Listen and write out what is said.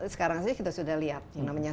sekarang saja kita sudah lihat yang namanya